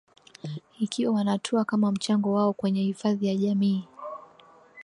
ikiwa wanatoa kama mchango wao kwenye hifadhi ya jamii